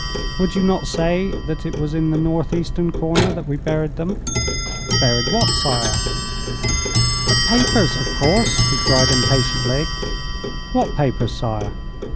'Would you not say that it was in the north eastern corner that we buried them?' 'Buried what, sire?' 'The papers, of course,' he cried, impatiently. 'What papers, sire?'